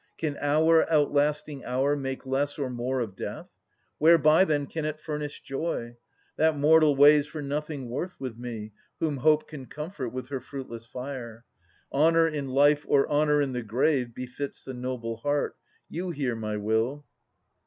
Can hour outlasting hour make less or more Of death ? Whereby then can it furnish joy ? That mortal weighs for nothing worth with me, Whom Hope can comfort with her fruitless fire. Honour in life or honour in the grave Befits the noble heart. You hear my will.